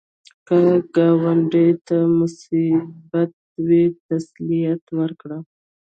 که ګاونډي ته مصیبت وي، تسلیت ورکړه